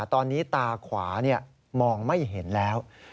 ตอนนี้ตาขวามองไม่เห็นแล้ว